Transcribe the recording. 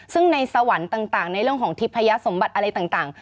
ซึ่งในสวรรค์ต่างในเรื่องของทิพยสมบัติอะไรต่าง